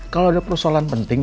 kalau ada persoalan penting